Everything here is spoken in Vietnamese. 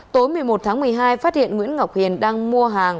tối một mươi một tháng một mươi hai phát hiện nguyễn ngọc hiền đang mua hàng